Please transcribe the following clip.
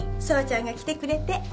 奏ちゃんが来てくれて。